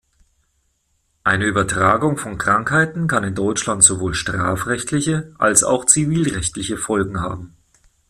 Eine Übertragung von Krankheiten kann in Deutschland sowohl strafrechtliche als auch zivilrechtliche Folgen haben.